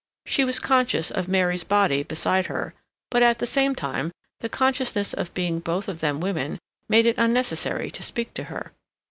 She was conscious of Mary's body beside her, but, at the same time, the consciousness of being both of them women made it unnecessary to speak to her.